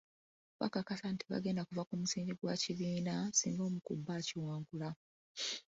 Bakakasa nti tebagenda kuva ku musingi gwa kibiina singa omu ku bbo akiwangula.